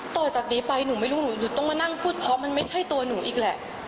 ต่อจากนี้ไปหนูไม่รู้หนูหยุดต้องมานั่งพูดเพราะมันไม่ใช่ตัวหนูอีกแหละ